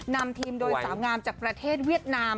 นำทีมโดยสาวงามจากประเทศเวียดนาม